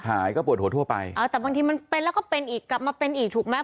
หายก็ปวดหัวทั่วไปเออแต่บางทีมันเป็นแล้วก็เป็นอีกกลับมาเป็นอีกถูกไหม